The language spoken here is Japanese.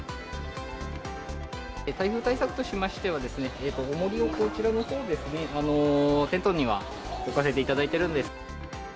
台風対策としましては、おもりをこちらのほうですね、テントには置かせていただいているんです。